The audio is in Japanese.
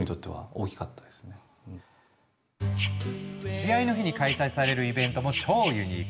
試合の日に開催されるイベントも超ユニーク。